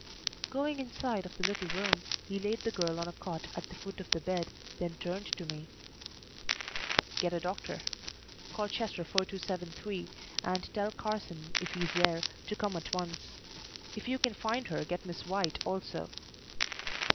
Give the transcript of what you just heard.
Going inside of the little room, he laid the girl on a cot at the foot of the bed, then turned to me. "Get a doctor. Call Chester 4273 and tell Carson, if he's there, to come at once. If you can find her, get Miss White also."